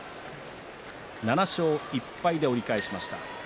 ７勝１敗で折り返しました。